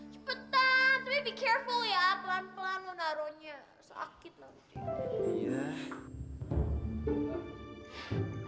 cepetan tapi hati hati ya pelan pelan loh taro nya sakit lah